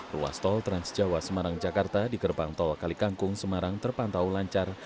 ruas tol transjawa semarang jakarta di gerbang tol kalikangkung semarang terpantau lancar